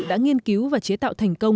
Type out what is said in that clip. đã nghiên cứu và chế tạo thành công